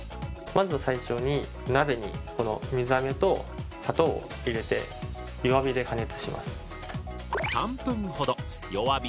まず最初に鍋にこの水あめと砂糖を入れて弱火で加熱します。